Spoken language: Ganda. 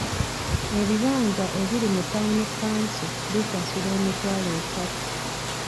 Ebibanja ebiri mu Town Council bisasula emitwalo esatu.